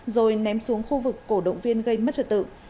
rồi ném xuống khu vực cổ động viên gây mất trật tự